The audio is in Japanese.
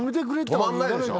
止まんないでしょ。